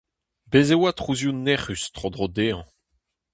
Bez' e oa trouzioù nec'hus tro-dro dezhañ.